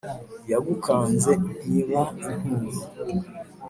Iyagukanze ntiba inturo.